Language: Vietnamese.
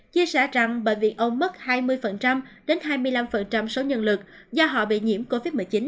chia sẻ rằng bởi vì ông mất hai mươi đến hai mươi năm số nhân lực do họ bị nhiễm covid một mươi chín